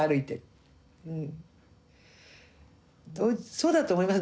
そうだと思います。